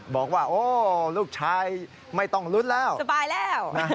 บอกว่าโอ้ลูกชายไม่ต้องลุ้นแล้วสบายแล้ว